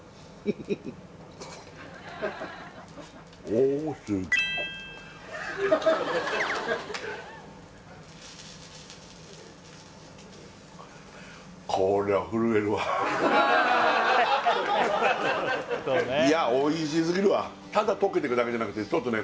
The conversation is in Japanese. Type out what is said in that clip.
おおいやおいしすぎるわただ溶けてくだけじゃなくてちょっとね